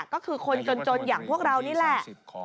ก็คือคนจนอย่างพวกเรานี่แหละ